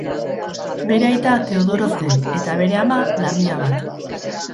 Bere aita Teodoro zen, eta, bere ama, lamia bat.